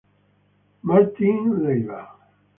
Martín Leiva